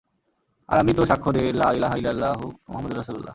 আর আমি তো সাক্ষ্য দেই, লা-ইলাহা ইল্লাল্লাহু মুহাম্মাদুর রাসূলুল্লাহ।